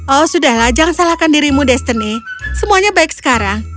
oh sudahlah jangan salahkan dirimu destiny semuanya baik sekarang